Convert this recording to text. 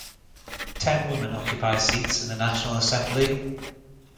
Ten women occupy seats in the National Assembly.